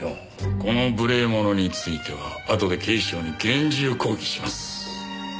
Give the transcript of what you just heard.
この無礼者についてはあとで警視庁に厳重抗議します。